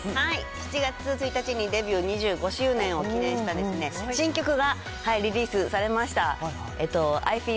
７月１日にデビュー２５周年を記念した新曲がリリースされました。